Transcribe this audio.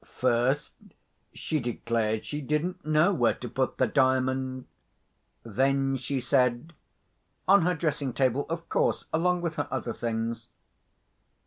First, she declared she didn't know where to put the Diamond. Then she said, "on her dressing table, of course, along with her other things."